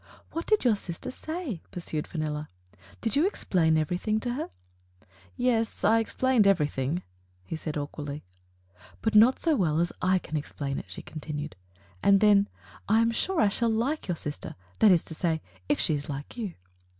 "What did your sister say?" pursued Fenella. "Did you explain everything to her?" '*Yes, I explained everything," he said awk wardly. "But not so well as I can explain it," she con tinued, and then, '1 am sure I shall like your sister — that is to say, if she is like you."